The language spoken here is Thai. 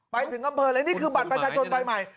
ไปถึงอำเภอเลยนี่คือบัตรประชาชนใบใหม่